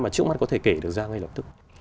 mà trước mắt có thể kể được ra ngay lập tức